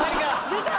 出た！